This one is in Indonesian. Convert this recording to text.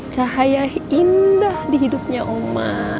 cahaya indah di hidupnya oma